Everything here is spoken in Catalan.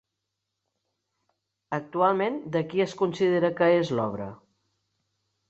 Actualment de qui es considera que és l'obra?